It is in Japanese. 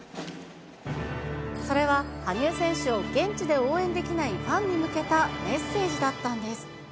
それは、羽生選手を現地で応援できないファンに向けたメッセージだったんです。